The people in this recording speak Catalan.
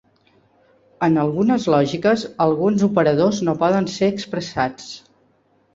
En algunes lògiques, alguns operadors no poden ser expressats.